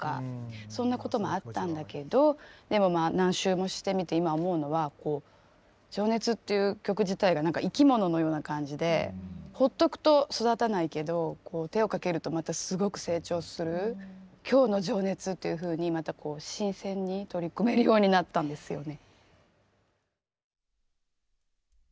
そんなこともあったんだけどでもまあ何周もしてみて今思うのは「情熱」っていう曲自体が何か生き物のような感じでほっとくと育たないけど手をかけるとまたすごく成長する今日の「情熱」というふうにまた新鮮に取り組めるようになったんですよね。